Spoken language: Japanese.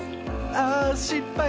あしっぱい。